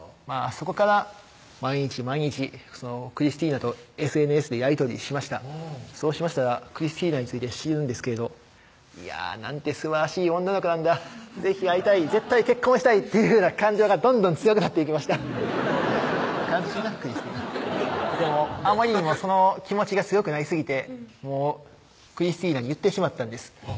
そこから毎日毎日クリスティナとＳＮＳでやり取りしましたそうしましたらクリスティナについて知るんですけどいやなんてすばらしい女の子なんだ是非会いたい絶対結婚したいっていう感情がどんどん強くなっていきましたでもあまりにもその気持ちが強くなりすぎてもうクリスティナに言ってしまったんです